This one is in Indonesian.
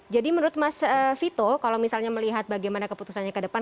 jadi menurut mas vito kalau misalnya melihat bagaimana keputusannya ke depan